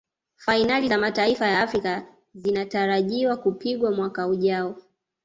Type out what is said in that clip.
fainali za mataifa ya afrika zinatarajiwa kupigwa mwaka ujao